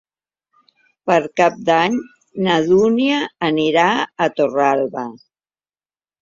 Per Cap d'Any na Dúnia anirà a Torralba.